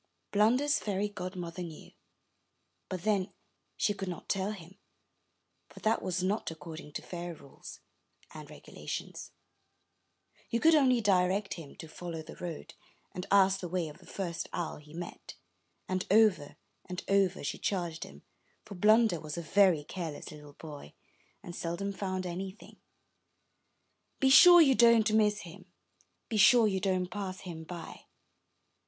Blunder's fairy godmother knew, but then she could not tell him, for that was not according to fairy rules and regulations. She could only direct him to follow the road, and ask the way of the first owl he met; and over and over she charged him, for Blunder was a very careless little boy, and seldom found anything: ''Be sure you don't miss him, — be sure you don't pass him by."